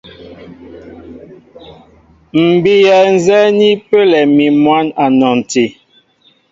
M̀ bíyɛ nzɛ́ɛ́ ni pəlɛ mi mwǎn a nɔnti.